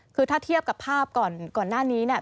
คือถ้าเทียบกับภาพก่อนหน้านี้เนี่ย